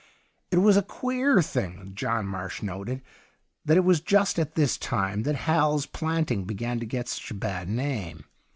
It was a queer things John Marsh noted, that it was just at this time that Hal's Planting began to get such a bad name.